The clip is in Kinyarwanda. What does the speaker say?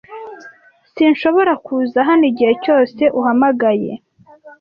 S Sinshobora kuza hano igihe cyose uhamagaye.